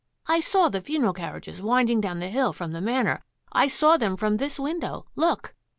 I saw the funeral carriages winding down the hill from the Manor. I saw them from this window. Look